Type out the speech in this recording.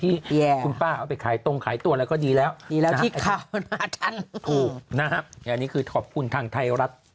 ถูกนะครับอันนี้คือขอบคุณทางไทยรัฐ